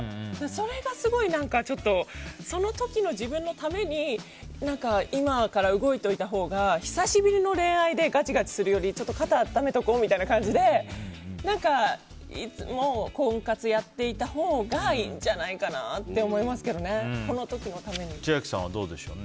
それが、すごいちょっとその時の自分のために今から動いておいたほうが久しぶりの恋愛でがちがちするより肩温めておこうみたいな感じでいつも婚活やっていたほうがいいんじゃないかなって千秋さんはどうですか？